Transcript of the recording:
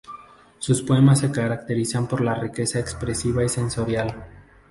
Sus poemas se caracterizan por la riqueza expresiva y sensorial.